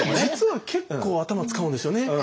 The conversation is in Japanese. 実は結構頭使うんですよね。